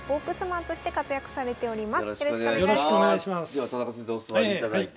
では田中先生お座りいただいて。